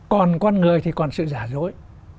còn con người thì còn sự giả dối